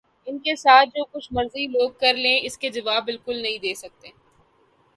ان کے ساتھ جو کچھ مرضی لوگ کر لیں اس کے جواب بالکل نہیں دے سکتے